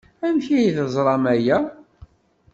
Amek ay teẓramt aya?